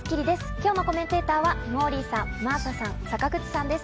本日のコメンテーターの皆さんです。